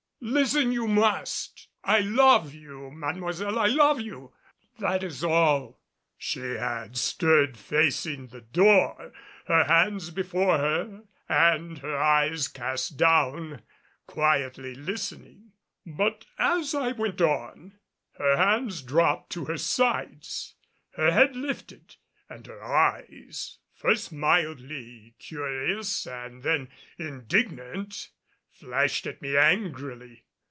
Listen you must. I love you, Mademoiselle, I love you! That is all." She had stood facing the door, her hands before her and her eyes cast down, quietly listening. But as I went on her hands dropped to her sides, her head lifted and her eyes, first mildly curious and then indignant, flashed at me angrily.